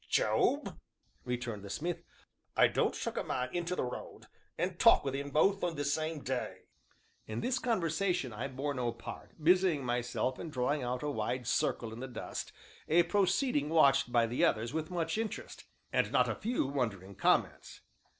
"Job," returned the smith, "I don't chuck a man into t' road and talk wi' 'im both in the same day." In this conversation I bore no part, busying myself in drawing out a wide circle in the dust, a proceeding watched by the others with much interest, and not a few wondering comments.